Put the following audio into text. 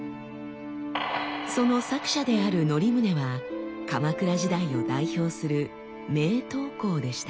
その作者である則宗は鎌倉時代を代表する名刀工でした。